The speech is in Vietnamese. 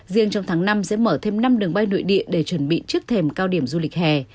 riêng trong tháng năm sẽ mở thêm năm đường bay nội địa để chuẩn bị trước thềm cao điểm du lịch hè